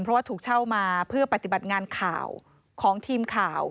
เพราะว่าถูกเช่ามาเพื่อปฏิบัติงานข่าวของทีมข่าว